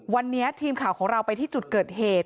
วันนี้ทีมข่าวของเราไปที่จุดเกิดเหตุ